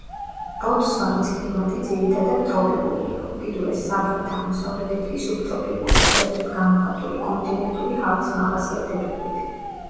ბოტსვანის კლიმატი ძირითადად ტროპიკულია, უკიდურეს სამხრეთ-აღმოსავლეთით კი სუბტროპიკული, მკვეთრად გამოხატული კონტინენტური ჰავის მახასიათებლებით.